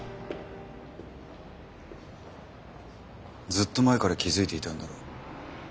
ずっと前から気付いていたんだろう。